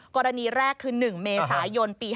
กรณีแรกคือ๑เมษายนตร์ปี๕๙